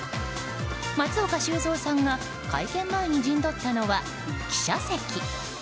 松岡修造さんが会見前に陣取ったのは記者席。